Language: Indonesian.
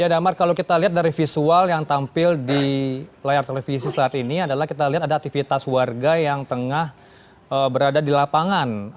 ya damar kalau kita lihat dari visual yang tampil di layar televisi saat ini adalah kita lihat ada aktivitas warga yang tengah berada di lapangan